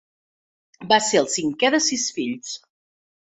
Va ser el cinquè de sis fills.